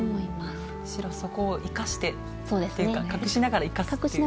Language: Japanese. むしろそこを生かしてというか隠しながら生かすっていう。